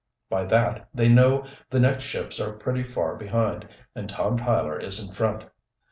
By that, they know the next ships are pretty far behind and Tom Tyler is in front.